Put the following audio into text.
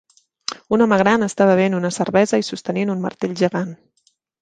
Un home gran està bevent una cervesa i sostenint un martell gegant.